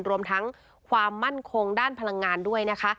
รวมทั้งความมั่นคงด้านพลังงานด้วยนะคะ